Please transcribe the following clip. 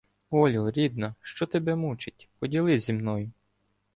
— Олю, рідна, що тебе мучить? Поділися зі мною.